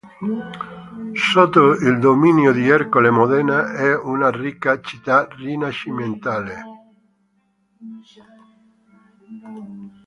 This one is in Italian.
Sotto il dominio di Ercole Modena è una ricca città rinascimentale.